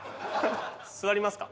座りますか？